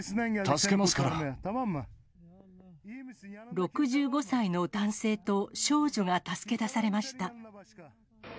６５歳の男性と、少女が助け出されました。